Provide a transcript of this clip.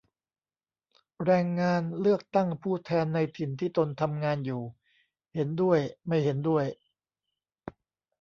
แรงงานเลือกตั้งผู้แทนในถิ่นที่ตนทำงานอยู่ ? เห็นด้วย ไม่เห็นด้วย